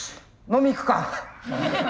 飲み行くか。